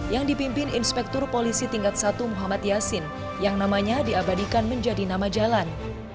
yang dipimpin inspektur polisi tingkat satu muhammad yasin yang namanya diabadikan menjadi nama jalan